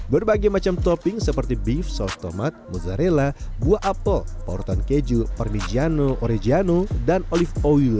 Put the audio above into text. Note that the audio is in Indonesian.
berbagai macam topping seperti beef sauce tomat mozzarella buah apel perutan keju parmigiano oregano dan olive oil